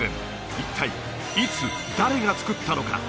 一体いつ誰がつくったのか？